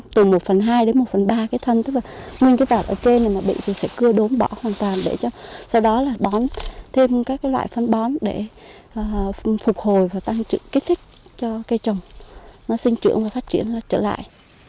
từ một phần hai đến một phần ba cái thân tức là nguyên cái đoạn ở trên này mà bị thì phải cưa đốn bỏ hoàn toàn để cho sau đó là bón thêm các loại phân bón để phục hồi và tăng trực kích thích cho cây trồng nó sinh trưởng và phát triển nó trở lại